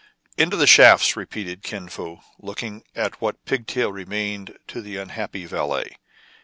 " Into the shafts !" repeated Kin Fo, looking at what pigtail remained to the unhappy valet.